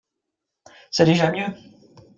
C’est déjà mieux